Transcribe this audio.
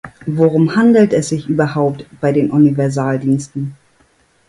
Worum handelt es sich überhaupt bei den Universaldiensten?